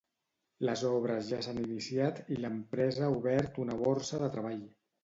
Les obres ja s'han iniciat i l'empresa ha obert una borsa de treball.